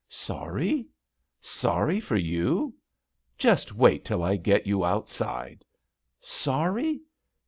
"Sorry ? Sorry for you ? Just wait till I get you outside. Sorry?